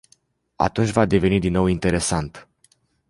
Atunci va deveni din nou interesant.